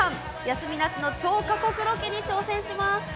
休みなしの超過酷ロケに挑戦します。